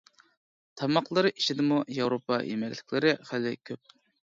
تاماقلىرى ئىچىدىمۇ ياۋروپا يېمەكلىكلىرى خېلى كۆپ.